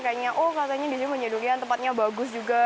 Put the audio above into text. katanya disini punya durian tempatnya bagus juga